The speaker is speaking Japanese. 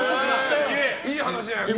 いい話じゃないですか。